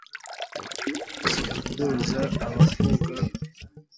simvuguruza abavuga